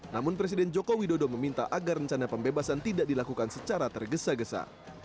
namun presiden joko widodo meminta agar rencana pembebasan tidak dilakukan secara tergesa gesa